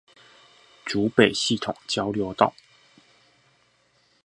竹北系統交流道